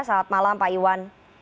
selamat malam pak iwan